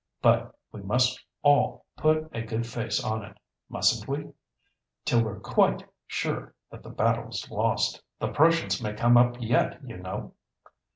But we must all put a good face on it—mustn't we?—till we're quite sure that the battle's lost. The Prussians may come up yet, you know!"